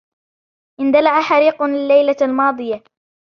اندلع حريق الليلة الماضية.